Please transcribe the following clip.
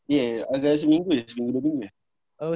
iya agak seminggu ya seminggu dua minggu ya